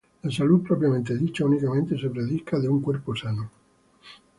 La salud propiamente dicha únicamente se predica de un cuerpo sano.